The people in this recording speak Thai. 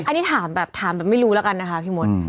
อันนี้ถามแบบถามแบบไม่รู้แล้วกันนะคะพี่มด